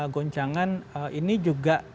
goncangan ini juga